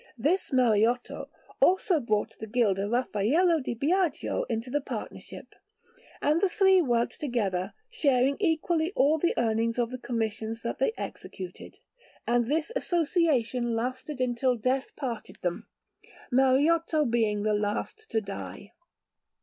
This Mariotto also brought the gilder Raffaello di Biagio into the partnership, and the three worked together, sharing equally all the earnings of the commissions that they executed; and this association lasted until death parted them, Mariotto being the last to die.